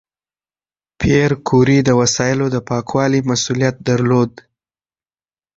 پېیر کوري د وسایلو د پاکوالي مسؤلیت درلود.